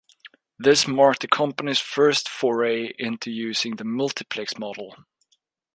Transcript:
This marked the company's first foray into using the multiplex model.